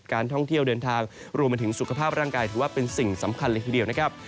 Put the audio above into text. การท่องเที่ยวเดินทางรวมมาถึงสุขภาพร่างกายถือว่าเป็นสิ่งสำคัญเลยทีเดียวนะครับ